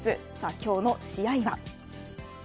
今日の試合は。